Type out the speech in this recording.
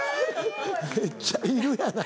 めっちゃいるやない。